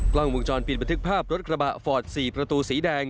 กล้องวงจรปิดบันทึกภาพรถกระบะฟอร์ด๔ประตูสีแดง